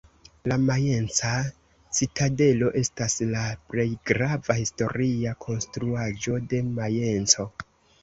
La Majenca citadelo estas la plej grava historia konstruaĵo de Majenco.